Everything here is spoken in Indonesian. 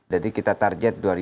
jadi kita target dua